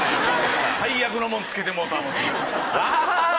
最悪のもんつけてもうた思って。